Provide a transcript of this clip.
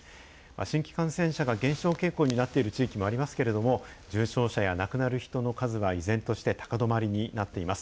新規感染者が減少傾向になっている地域もありますけれども、重症者や亡くなる人の数が依然として高止まりになっています。